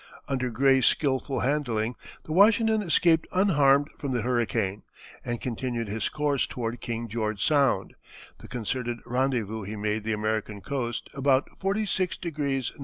Under Gray's skilful handling the Washington escaped unharmed from the hurricane, and continuing his course toward King George Sound, the concerted rendezvous, he made the American coast, about 46° N.